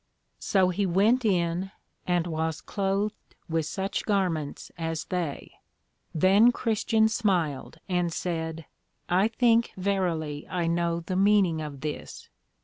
So he went in, and was cloathed with such garments as they. Then Christian smiled, and said, I think verily I know the meaning of this.